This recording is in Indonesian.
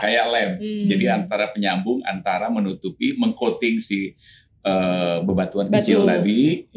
kayak lem jadi antara penyambung antara menutupi meng coating si bebatuan kecil tadi